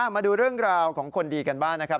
มาดูเรื่องราวของคนดีกันบ้างนะครับ